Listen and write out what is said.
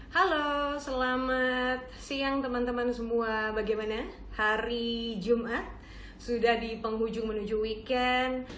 halo selamat siang teman teman semua bagaimana hari jumat sudah di penghujung menuju weekend